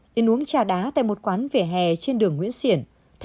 điên uống trà đá tại một quán vẻ hè trên đường nguyễn xiển